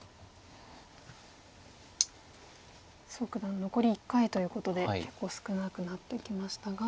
蘇九段残り１回ということで結構少なくなってきましたが。